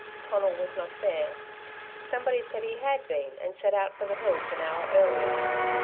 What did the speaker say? Conal was not there. Someone said he had been, and set out for the hills an hour earlier.